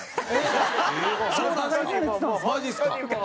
マジっすか？